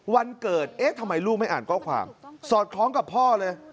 วันเกิดเอ๊ะทำไมลูกไม่อ่านข้อความสอดคล้องกับพ่อเลย